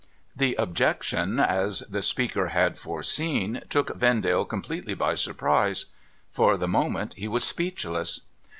The objection, as the speaker had foreseen, took Vendale com pletely by surprise. For the moment he was speechless.